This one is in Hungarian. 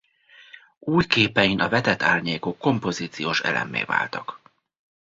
Új képein a vetett árnyékok kompozíciós elemmé váltak.